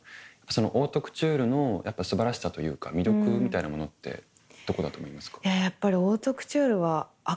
そのオートクチュールの素晴らしさというか魅力みたいなものってどこだと思いますか？